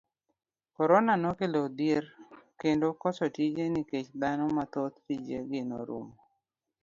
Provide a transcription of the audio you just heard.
Korona nokelo dhier kendo koso tije nikech dhano mathoth tije gi norumo.